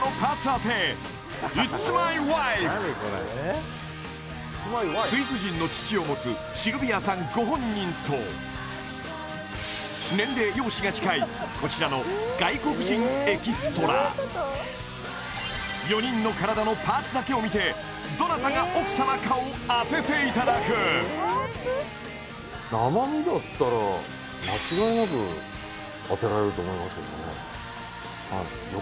もうスイス人の父を持つシルビアさんご本人と年齢容姿が近いこちらの外国人エキストラ４人の体のパーツだけを見てどなたが奥様かを当てていただくと思いますけどね